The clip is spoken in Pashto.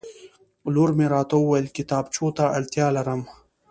لور مې راته وویل کتابچو ته اړتیا لرم